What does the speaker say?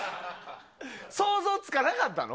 想像つかなかったの？